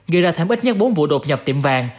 gây ra thêm ít nhất bốn vụ đột nhập tiệm vàng